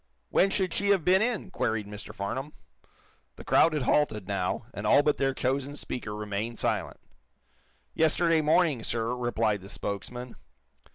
"When should she have been in!" queried Mr. Farnum. The crowd had halted, now, and all but their chosen speaker remained silent. "Yesterday morning, sir," replied the spokesman.